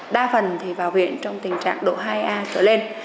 đa phần thì vào viện trong tình trạng độ hai a trở lên